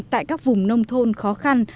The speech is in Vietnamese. tại các vùng nông thôn khó khăn